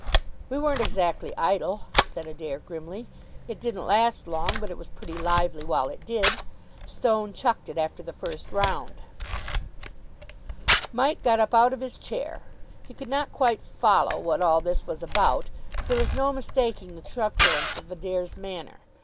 "We weren't exactly idle," said Adair grimly. "It didn't last long, but it was pretty lively while it did. Stone chucked it after the first round." Mike got up out of his chair. He could not quite follow what all this was about, but there was no mistaking the truculence of Adair's manner.